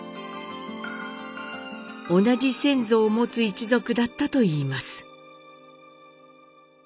同じ先祖を持つ一族だったといいます。